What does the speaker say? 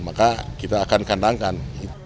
maka kita akan kandangkan